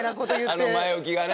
あの前置きがね。